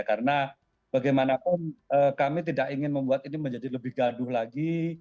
karena bagaimanapun kami tidak ingin membuat ini menjadi lebih gaduh lagi